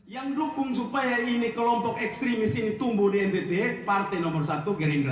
yang dukung supaya ini kelompok ekstremis ini tumbuh di ntt partai nomor satu gerindra